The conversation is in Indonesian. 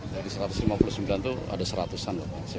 dari satu ratus lima puluh sembilan itu ada seratusan